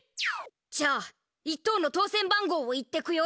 じゃあ１等の当せん番号を言ってくよ。